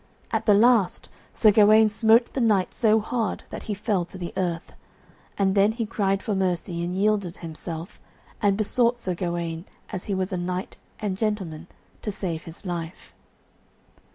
At the last Sir Gawaine smote the knight so hard that he fell to the earth; and then he cried for mercy and yielded himself, and besought Sir Gawaine as he was a knight and gentleman to save his life.